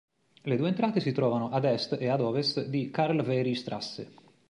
Le due entrate si trovano ad est e ad ovest di Carl-Wery-Straße.